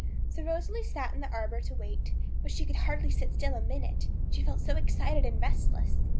So Rosalie sat down in the arbour to wait. But she could hardly sit still a minute, she felt so excited and restless.